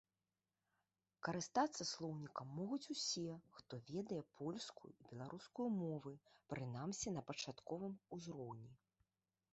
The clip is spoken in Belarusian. Карыстацца слоўнікам могуць усе, хто ведае польскую і беларускую мовы, прынамсі на пачатковым узроўні.